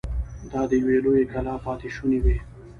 دا د يوې لويې کلا پاتې شونې وې.